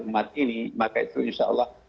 umat ini maka itu insya allah